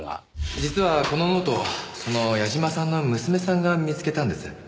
実はこのノートその矢嶋さんの娘さんが見つけたんです。